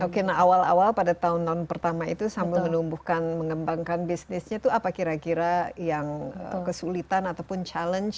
oke nah awal awal pada tahun tahun pertama itu sambil menumbuhkan mengembangkan bisnisnya itu apa kira kira yang kesulitan ataupun challenge